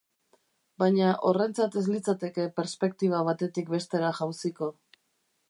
Baina horrentzat ez litzateke perspektiba batetik bestera jauziko.